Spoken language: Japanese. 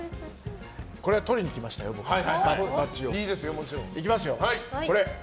取りに来ましたよ、僕は。